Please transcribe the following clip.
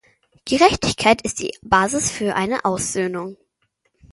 Gerechtigkeit ist die Basis für eine Aussöhnung.